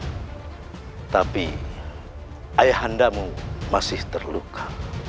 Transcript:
tetapi ayah anda mu masih terluka